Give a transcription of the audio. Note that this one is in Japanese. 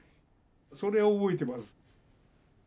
それを覚えてます。